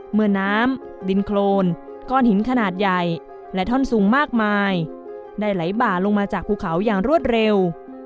เมื่อน้ำดินโครนก้อนหินขนาดใหญ่และท่อนสูงมากมายได้ไหลบ่าลงมาจากภูเขาอย่างรวดเร็ว